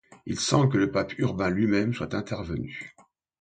Il semble que le pape Urbain lui-même soit intervenu.